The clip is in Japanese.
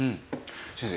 先生